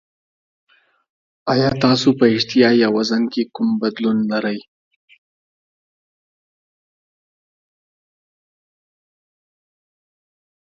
ایا تاسو په اشتها یا وزن کې کوم بدلون لرئ؟